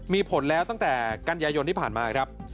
มีผลแล้วตั้งแต่กันยายนที่ผ่านมาครับ